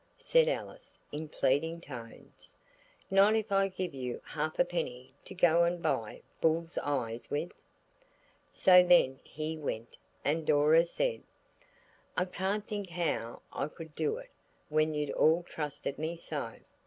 said Alice, in pleading tones, "not if I give you a halfpenny to go and buy bulls eyes with?" So then he went, and Dora said– "I can't think how I could do it when you'd all trusted me so.